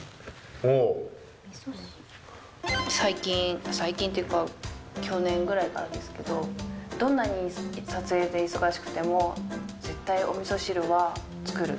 最近、最近っていうか、去年ぐらいからですけど、どんなに撮影で忙しくても、絶対おみそ汁は作る。